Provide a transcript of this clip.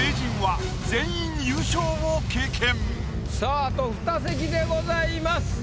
あと２席でございます。